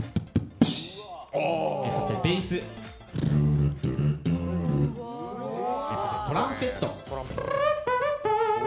そしてベース、トランペット。